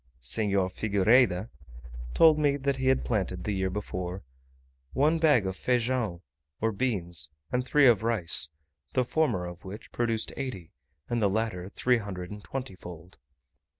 Senhor Figuireda told me that he had planted, the year before, one bag of feijao or beans, and three of rice; the former of which produced eighty, and the latter three hundred and twenty fold.